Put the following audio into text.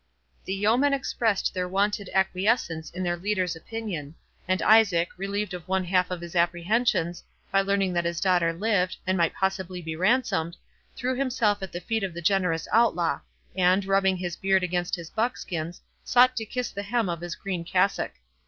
The yeomen expressed their wonted acquiescence in their leader's opinion; and Isaac, relieved of one half of his apprehensions, by learning that his daughter lived, and might possibly be ransomed, threw himself at the feet of the generous Outlaw, and, rubbing his beard against his buskins, sought to kiss the hem of his green cassock.